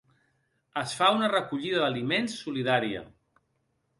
Es fa una recollida d'aliments solidària.